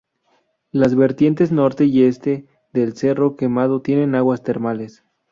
Las vertientes norte y este del Cerro Quemado tienen aguas termales.